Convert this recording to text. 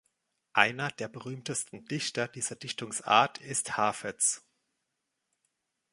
Einer der berühmtesten Dichter dieser Dichtungsart ist Hafez.